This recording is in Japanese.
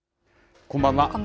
こんばんは。